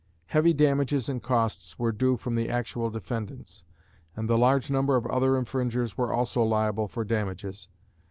Heavy damages and costs were due from the actual defendants, and the large number of other infringers were also liable for damages.